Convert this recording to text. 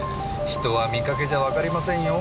人は見かけじゃわかりませんよ。